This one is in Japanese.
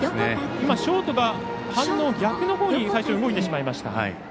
ショートが反応、最初逆のほうに動いてしまいました。